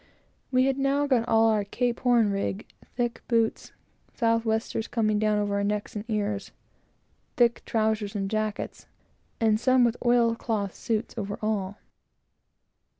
We had now all got on our "Cape Horn rig" thick boots, south westers coming down over our neck and ears, thick trowsers and jackets, and some with oil cloth suits over all.